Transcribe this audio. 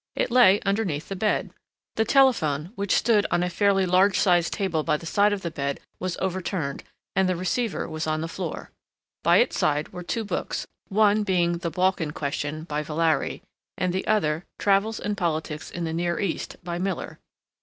It lay underneath the bed. The telephone, which stood on a fairly large sized table by the side of the bed, was overturned and the receiver was on the floor. By its side were two books, one being the "Balkan Question," by Villari, and the other "Travels and Politics in the Near East," by Miller.